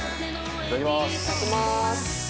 いただきます！